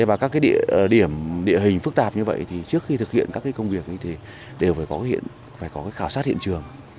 và các địa điểm địa hình phức tạp như vậy thì trước khi thực hiện các công việc thì đều phải có khảo sát hiện trường